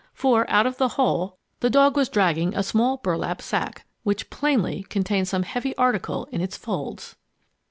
For out of the hole the dog was dragging a small burlap sack which plainly contained some heavy article in its folds!